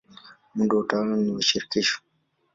Muundo wa utawala ni wa shirikisho.